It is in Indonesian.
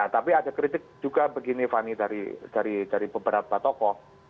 tapi ada kritik juga begini fani dari beberapa tokoh